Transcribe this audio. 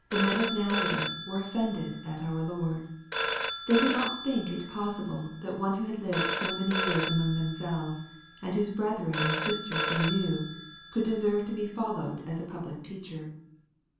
The men of Naza reth "were offended" at our Lord. They could not think it possible that one who had lived so many years among themselves, and whose brethren and sisters they knew, could deserve to be followed as a public teacher.